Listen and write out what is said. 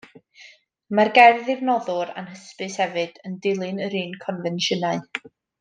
Y mae'r gerdd i'r noddwr anhysbys hefyd yn dilyn yr un confensiynau.